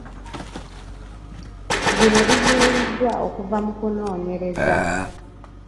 Bino bizuuliddwa okuva mu kunoonyereza.